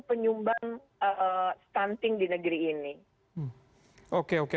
penyumbang stunting di negeri ini oke oke